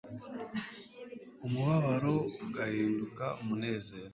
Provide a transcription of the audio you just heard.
umubabaro ugahinduka umunezero